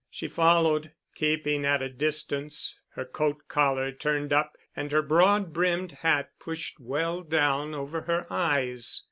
She followed, keeping at a distance, her coat collar turned up and her broad brimmed hat pushed well down over her eyes.